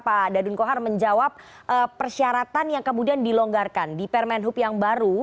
pak dadun kohar menjawab persyaratan yang kemudian dilonggarkan di permen hub yang baru